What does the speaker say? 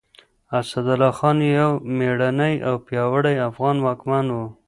اسدالله خان يو مېړنی او پياوړی افغان واکمن و.